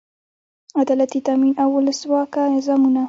عدالتي تامین او اولسواکه نظامونه.